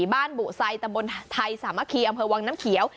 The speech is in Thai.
บ้านบุษัยตะบนไทยสามะคีอำเภอวังน้ำเขียว